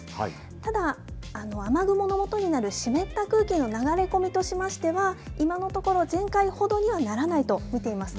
ただ、雨雲のもとになる湿った空気の流れ込みとしましては今のところ前回ほどにはならないと見ています。